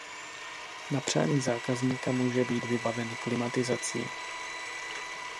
Na přání zákazníka může být vybaven klimatizací.